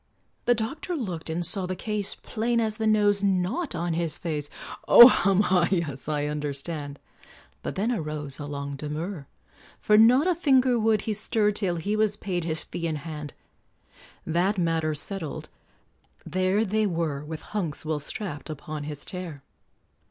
The doctor looked and saw the case Plain as the nose not on his face. "Oh! hum ha yes I understand." But then arose a long demur, For not a finger would he stir Till he was paid his fee in hand; That matter settled, there they were, With Hunks well strapped upon his chair.